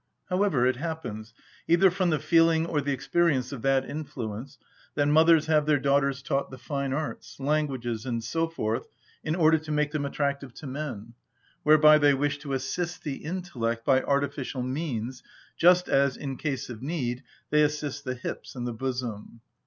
However, it happens, either from the feeling or the experience of that influence, that mothers have their daughters taught the fine arts, languages, and so forth in order to make them attractive to men, whereby they wish to assist the intellect by artificial means, just as, in case of need, they assist the hips and the bosom.